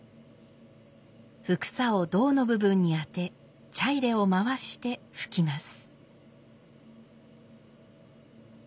帛紗を胴の部分に当て茶入を回して拭きます。